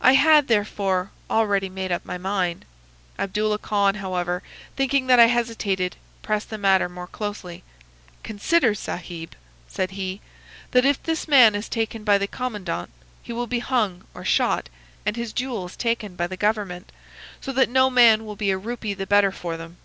I had, therefore, already made up my mind. Abdullah Khan, however, thinking that I hesitated, pressed the matter more closely. "'Consider, Sahib,' said he, 'that if this man is taken by the commandant he will be hung or shot, and his jewels taken by the government, so that no man will be a rupee the better for them.